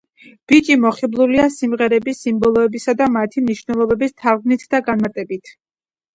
ბიჭი მოხიბლულია სიმღერების, სიმბოლოების და მათი მნიშვნელობების თარგმნით და განმარტებით.